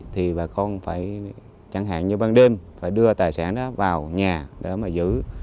thì bà con phải chẳng hạn như ban đêm phải đưa tài sản đó vào nhà để mà giữ